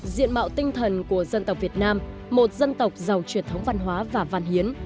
diện mạo tinh thần của dân tộc việt nam một dân tộc giàu truyền thống văn hóa và văn hiến